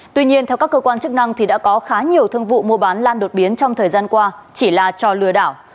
tuy nhiên theo các cơ quan chức năng thì đã có khá nhiều thương vụ mua bán lan đột biến trong thời gian qua chỉ là cho lừa đảo